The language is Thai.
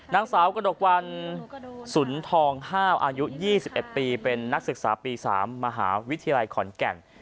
นางสาวกระดกวันสุนทองห้าวอายุ๒๑ปีเป็นนักศึกษาปี๓มหาวิทยาลัยขอนแก่น